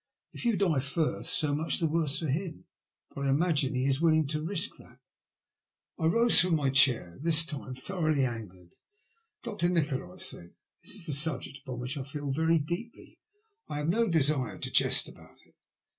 If yon die first, BO much the worse for him ; but I imagine he is willing to risk that." I rose from my chair, this time thoroughly angered. " Dr. Nikola," I said, this is a subject upon which I feel very deeply. I have no desire to jest about it."